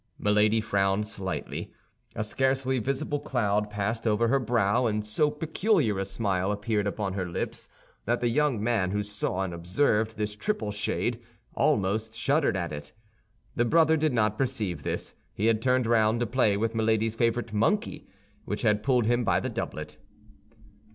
Milady frowned slightly; a scarcely visible cloud passed over her brow, and so peculiar a smile appeared upon her lips that the young man, who saw and observed this triple shade, almost shuddered at it. The brother did not perceive this; he had turned round to play with Milady's favorite monkey, which had pulled him by the doublet.